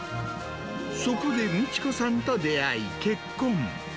そこで美千子さんと出会い、結婚。